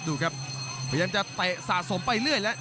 ดูครับพยายามจะเตะสะสมไปเรื่อยแล้ว